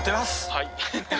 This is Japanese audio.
はい。